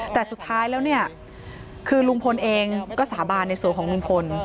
แต่สุดท้ายแล้วเนี่ยคือลุงพลเองก็สาบานในส่วนของลุงพล